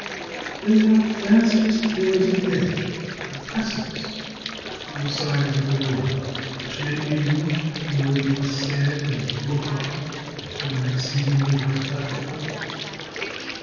"Then thou fanciest there is an edge, or precipice, at the four sides of the world, which men may reach, and where they can stand and look off, as from an exceed ingly high platform?"